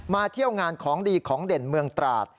เที่ยวงานของดีของเด่นเมืองตราด